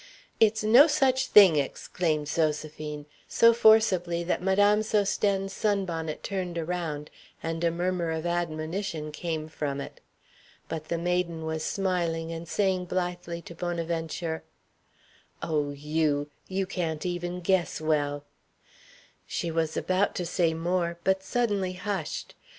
"It's no such a thing!" exclaimed Zoséphine so forcibly that Madame Sosthène's sunbonnet turned around, and a murmur of admonition came from it. But the maiden was smiling and saying blithely to Bonaventure: "Oh, you you can't even guess well." She was about to say more, but suddenly hushed.